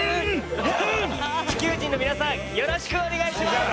地球人の皆さんよろしくお願いします。